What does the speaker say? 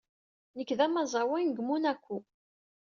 Nekk d amaẓẓawan seg Monaco.